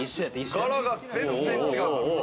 柄が全然違うから。